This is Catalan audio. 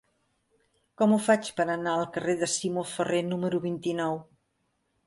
Com ho faig per anar al carrer de Simó Ferrer número vint-i-nou?